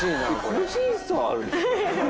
個人差あるでしょ。